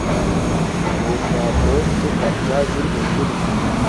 Bə faa ɓo tə gab zahsyil ɓe pəli.